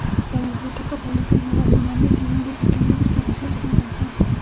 La biblioteca pública lleva su nombre y tiene una pequeña exposición sobre Don Juan.